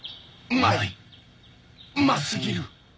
うまいうますぎる！